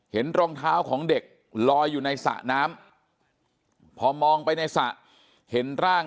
รองเท้าของเด็กลอยอยู่ในสระน้ำพอมองไปในสระเห็นร่าง